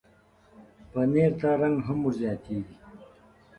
پنېر ته رنګ هم ورزیاتېږي.